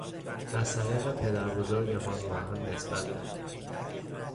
از طریق پدر بزرگمان با هم نسبت داریم.